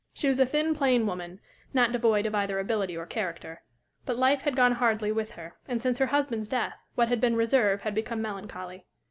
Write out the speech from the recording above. She was a thin, plain woman, not devoid of either ability or character. But life had gone hardly with her, and since her husband's death what had been reserve had become melancholy.